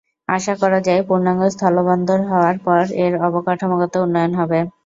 আশা করা যায়, পূর্ণাঙ্গ স্থলবন্দর হওয়ার পর এর অবকাঠামোগত উন্নয়ন হবে।